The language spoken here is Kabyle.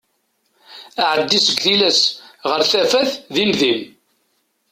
Aɛeddi seg tillas ɣer tafat din din.